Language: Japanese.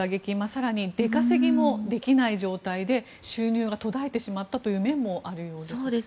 更に出稼ぎもできない状態で収入が途絶えてしまったという面もあるようです。